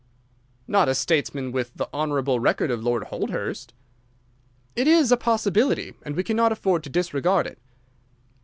"Not a statesman with the honourable record of Lord Holdhurst?" "It is a possibility and we cannot afford to disregard it.